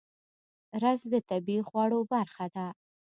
رس د طبیعي خواړو برخه ده